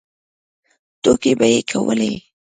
ټوکې به یې کولې.